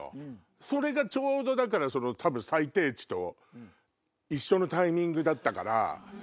それがちょうど最低値と一緒のタイミングだったから。